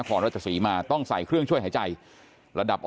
ครับโอ้โหแค่รักษาพ่อเลยครับ